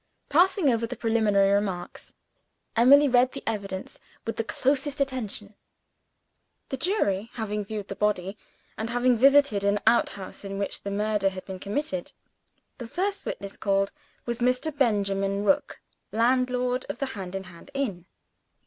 Passing over the preliminary remarks, Emily read the evidence with the closest attention. The jury having viewed the body, and having visited an outhouse in which the murder had been committed, the first witness called was Mr. Benjamin Rook, landlord of the Hand in Hand inn.